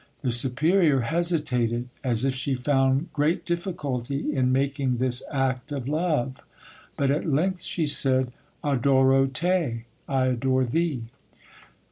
The superior hesitated, as if she found great difficulty in making this act of love, but at length she said— "Adoro te" (I adore Thee).